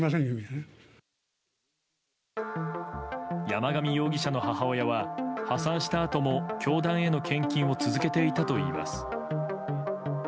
山上容疑者の母親は破産したあとも教団への献金を続けていたといいます。